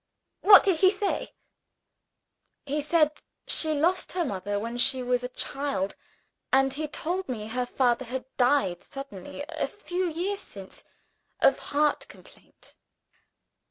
What did he say?" "He said she lost her mother when she was a child and he told me her father had died suddenly, a few years since, of heart complaint."